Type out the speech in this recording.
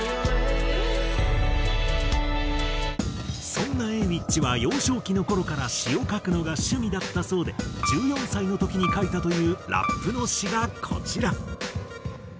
そんなＡｗｉｃｈは幼少期の頃から詞を書くのが趣味だったそうで１４歳の時に書いたというラップの詞がこちら。